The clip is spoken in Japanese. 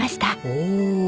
おお！